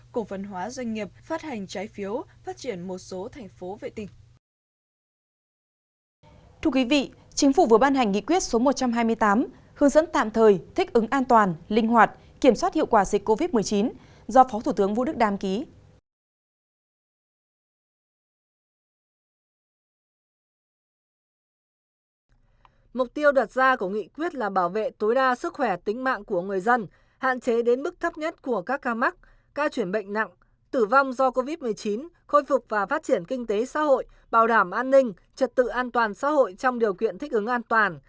khôi phục và phát triển kinh tế xã hội bảo đảm an ninh trật tự an toàn xã hội trong điều kiện thích ứng an toàn